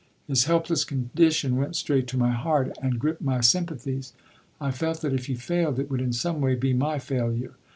His helpless condition went straight to my heart, and gripped my sympathies. I felt that if he failed, it would in some way be my failure.